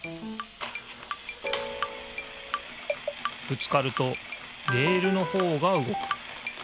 ぶつかるとレールのほうがうごく。